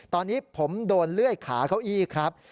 ตอนนี้ผมโดนเลื่อยขาเก้าอี้ครับ